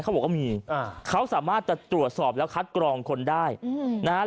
เขาบอกว่ามีอ่าเขาสามารถจะตรวจสอบแล้วคัดกรองคนได้นะฮะ